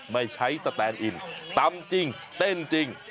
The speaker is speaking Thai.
ไม่ใช้สแตนอินตำจริงเต้นจริง